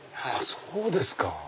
そうですか。